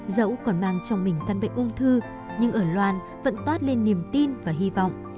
dẫu còn mang trong mình căn bệnh ung thư nhưng ở loan vẫn toát lên niềm tin và hy vọng